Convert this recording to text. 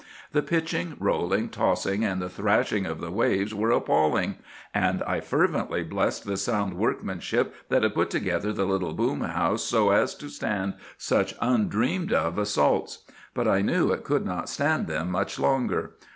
The pitching, rolling, tossing, and the thrashing of the waves were appalling; and I fervently blessed the sound workmanship that had put together the little boom house so as to stand such undreamed of assaults. But I knew it could not stand them much longer.